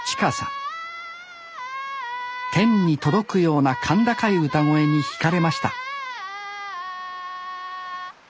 天に届くような甲高い歌声にひかれました